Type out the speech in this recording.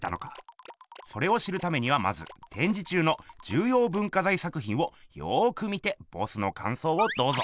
それを知るためにはまずてんじ中の重要文化財作ひんをよく見てボスのかんそうをどうぞ！